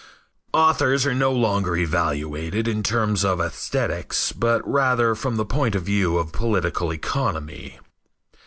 Authors are no longer evaluated in terms of æsthetics, but rather from the point of view of political economy.